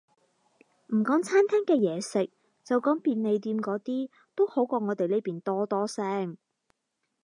唔講餐廳嘅嘢食，就講便利店嗰啲，都好過我哋呢邊多多聲